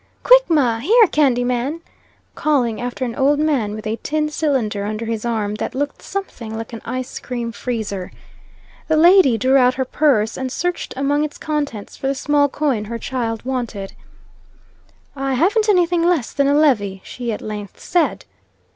"Quick, ma! Here, candy man!" calling after an old man with a tin cylinder under his arm, that looked something like an ice cream freezer. The lady drew out her purse, and searched among its contents for the small coin her child wanted. "I havn't any thing less than a levy," she at length said.